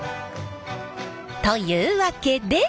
というわけで！